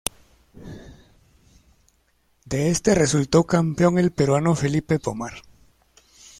De este resultó campeón el peruano Felipe Pomar.